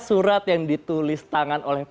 surat yang ditulis tangan oleh